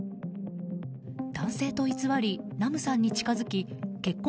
男性と偽り、ナムさんに近づき結婚